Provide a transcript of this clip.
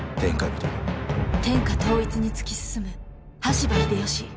天下統一に突き進む羽柴秀吉。